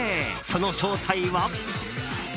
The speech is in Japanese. その正体は。